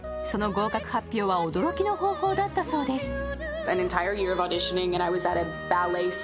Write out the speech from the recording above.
その合格発表は驚きの方法だったそうです。